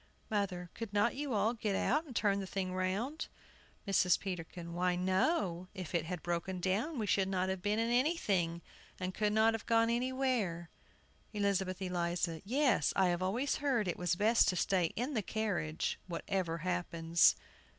MOTHER. Could not you all get out and turn the thing round? MRS. PETERKIN. Why, no; if it had broken down we should not have been in anything, and could not have gone anywhere. ELIZABETH ELIZA. Yes, I have always heard it was best to stay in the carriage, whatever happens.